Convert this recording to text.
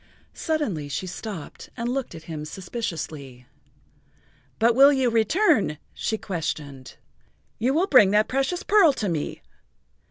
Suddenly she stopped and looked at him suspiciously. "But you will return?" she questioned. "You will bring that precious pearl to me?